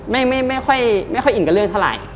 ไม่ค่อยอินกับเรื่องเท่าไหร่